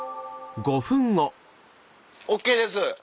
ＯＫです